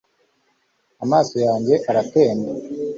amaso yanjye aratemba